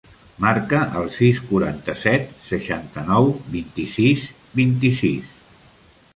Marca el sis, quaranta-set, seixanta-nou, vint-i-sis, vint-i-sis.